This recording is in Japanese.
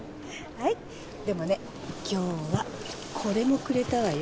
はいでもね今日はこれもくれたわよ